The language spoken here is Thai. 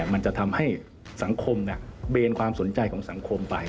มันจะทำให้สังคมเบนความสนใจของสังคมไป